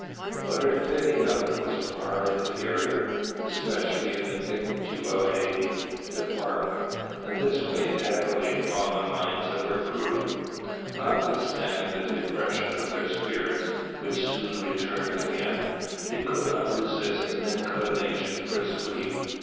But her "fitting out" was far inferior, especially in the "victualling department"; and this weighed heavily upon the minds of her crew. Notwithstanding the depression of their spirits, which soon returned again, they could not resist an inclination for sleep.